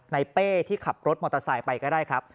เป้ที่ขับรถมอเตอร์ไซค์ไปก็ได้ครับ